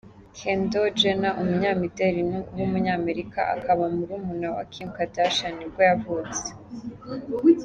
Kendall Jenner, umunyamideli w’umunyamerika, akaba murumuna wa Kim Kardashian nibwo yavutse.